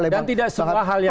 tidak semua hal yang